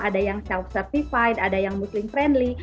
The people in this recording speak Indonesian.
ada yang self certified ada yang muslim friendly